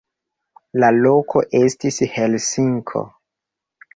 La loko estis Helsinko.